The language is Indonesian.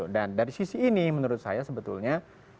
dan dari sisi ini menurut saya sebetulnya